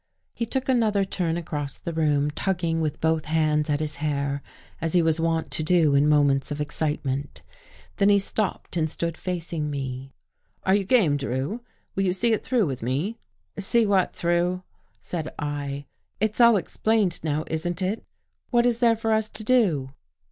He took another turn across the room, tugging with both hands at his hair, as he was wont to do in moments of excitement. Then he stopped and stood facing me. " Are you game. Drew? Will you see it through with me? " "See what through?" said I. "It's all ex plained now. Isn't It? What Is there for us to do?"